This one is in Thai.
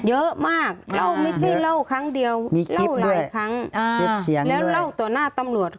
เยอะมากเล่าไม่ใช่เล่าครั้งเดียวเล่าหลายครั้งแล้วเล่าต่อหน้าตำรวจ